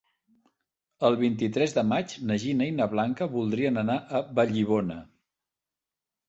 El vint-i-tres de maig na Gina i na Blanca voldrien anar a Vallibona.